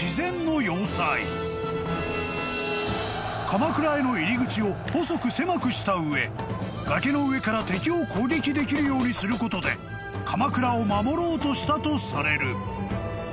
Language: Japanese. ［鎌倉への入り口を細く狭くした上崖の上から敵を攻撃できるようにすることで鎌倉を守ろうとしたとされる］